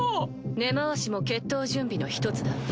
根回しも決闘準備の一つだ。